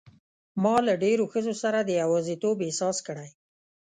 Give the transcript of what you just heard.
ما له ډېرو ښځو سره د یوازیتوب احساس کړی.